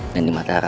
dan di mata rara